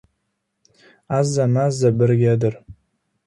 Azza-mazza brigadir!